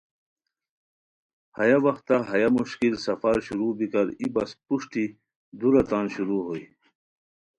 ہیہ وختہ ہیہ مشکل سفر شروع بیکار ای بس پروشٹی دورا تان شروع ہوئے۔